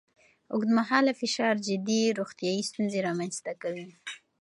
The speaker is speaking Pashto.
اوږدمهاله فشار جدي روغتیایي ستونزې رامنځ ته کوي.